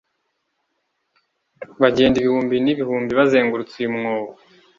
Bagenda ibihumbi n'ibihumbi bazengurutse uyu mwobo